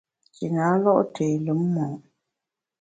Nji na lo’ té lùm mo’.